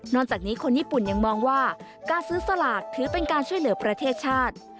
จากนี้คนญี่ปุ่นยังมองว่าการซื้อสลากถือเป็นการช่วยเหลือประเทศชาติ